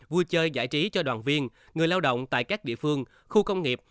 vui chơi giải trí cho đoàn viên người lao động tại các địa phương khu công nghiệp